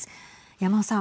山尾さん。